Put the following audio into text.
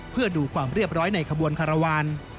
เพื่อดูความเรียบร้อยในขบวนคารวาล